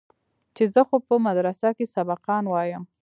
چې زه خو په مدرسه کښې سبقان وايم.